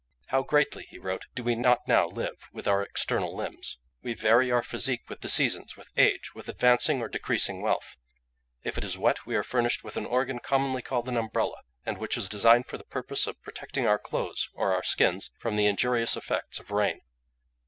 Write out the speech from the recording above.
"How greatly," he wrote, "do we not now live with our external limbs? We vary our physique with the seasons, with age, with advancing or decreasing wealth. If it is wet we are furnished with an organ commonly called an umbrella, and which is designed for the purpose of protecting our clothes or our skins from the injurious effects of rain.